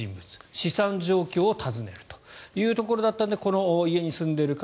資産状況を尋ねるというところだったのでこの家に住んでいる方